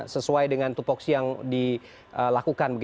sesuai dengan tupoksi yang dilakukan